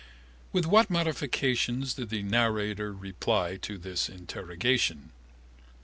With what modifications did the narrator reply to this interrogation?